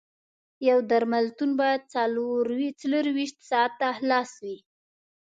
یو درملتون باید څلور ویشت ساعته خلاص وي